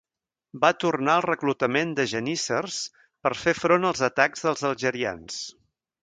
Va tornar al reclutament de geníssers, per fer front als atacs dels algerians.